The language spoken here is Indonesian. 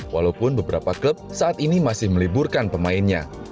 walaupun beberapa klub saat ini masih meliburkan pemainnya